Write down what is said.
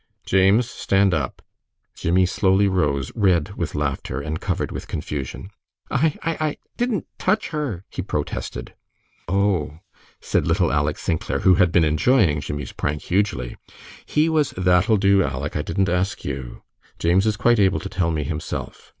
"James, stand up!" Jimmie slowly rose, red with laughter, and covered with confusion. "I I I di dn't touch her!" he protested. "O h!" said little Aleck Sinclair, who had been enjoying Jimmie's prank hugely; "he was " "That'll do, Aleck, I didn't ask you. James is quite able to tell me himself.